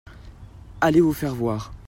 Allez vous faire voir.